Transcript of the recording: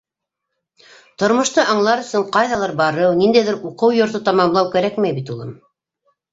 Тормошто аңлар өсөн ҡайҙалыр барыу, ниндәйҙер уҡыу йорто тамамлау кәрәкмәй бит, улым.